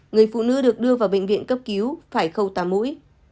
người phụ nữ được đưa vào bệnh viện cấp cứu phải khâu tà mũi